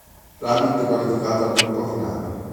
Rapid qualificato al gruppo finale.